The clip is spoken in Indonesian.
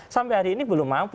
sampai hari ini belum mampu